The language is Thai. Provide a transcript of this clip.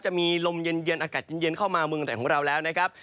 จะมีลมเย็นอากาศเย็นเข้ามาเมืองไหนของเราแล้วนะครับ